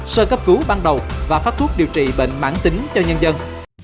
sơ cấp cứu ban đầu và phát thuốc điều trị bệnh mãn tính cho nhân dân